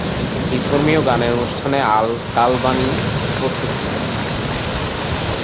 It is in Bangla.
একটি ধর্মীয় গানের অনুষ্ঠানে আল-কালবানি উপস্থিত ছিলেন।